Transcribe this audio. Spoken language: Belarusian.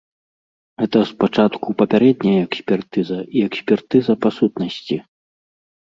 Гэта спачатку папярэдняя экспертыза і экспертыза па сутнасці.